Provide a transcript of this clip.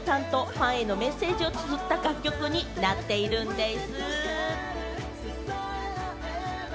ファンへのメッセージを綴った楽曲になっているんでぃす。